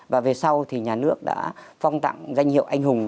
và về sau thì nhà nước đã phong tặng danh hiệu anh hùng